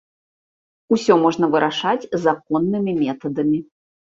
Усё можна вырашаць законнымі метадамі.